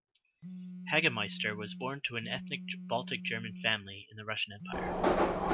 Hagemeister was born to an ethnic Baltic German family in the Russian Empire.